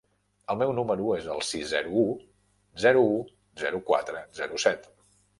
El meu número es el sis, zero, u, zero, u, zero, quatre, zero, set.